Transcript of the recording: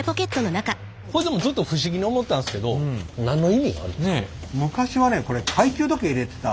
これずっと不思議に思ってたんですけど何の意味があるんですか？